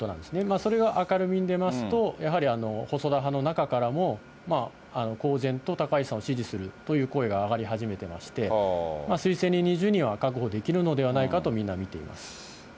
それが明るみに出ますと、やはり細田派の中からも、公然と高市さんを支持するという声が上がり始めてまして、推薦人２０人は確保できるのではないかと、みんな見ています。